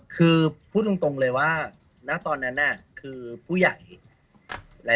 คือพูดตรงเลยว่าณตอนนั้นน่ะคือผู้ใหญ่